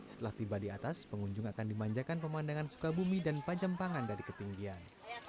setelah tiba di atas pengunjung akan dimanjakan pemandangan sukabumi dan pajam pangan dari ketinggian